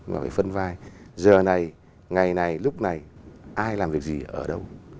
mà phải phân vai giờ này ngày này lúc này ai làm việc gì ở đâu